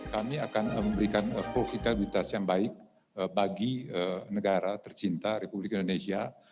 kami akan memberikan profitabilitas yang baik bagi negara tercinta republik indonesia